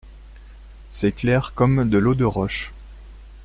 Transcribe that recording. C’est clair comme de l’eau de roche.